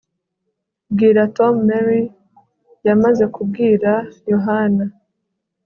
Bwira Tom Mary yamaze kubwira Yohana